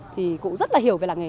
thì cụ rất là hiểu về làng nghề